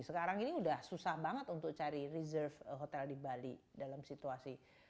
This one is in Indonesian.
sekarang ini sudah susah banget untuk cari reserve hotel di bali dalam situasi